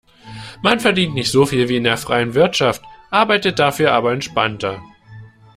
Man verdient nicht so viel wie in der freien Wirtschaft, arbeitet dafür aber entspannter.